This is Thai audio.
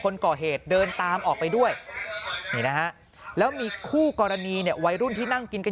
คนก่อเหตุเดินตามออกไปด้วยแล้วมีคู่กรณีวัยรุ่นที่นั่งกินกัน